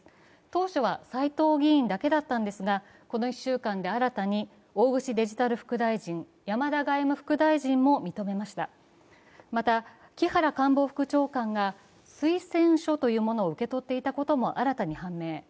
当初は斎藤議員だけだったんですがこの１週間で新たに大串デジタル副大臣、山田外務副大臣も認めましたまた木原官房副長官が推薦書というものを受け取っていたことも新たに判明。